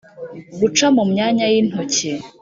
Guca mu myanya y’intoki.